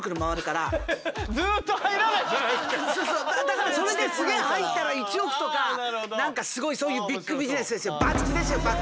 だからそれですげえ入ったら１億とか何かすごいそういうビッグビジネスですよ。